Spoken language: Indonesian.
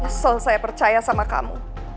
usul saya percaya sama kamu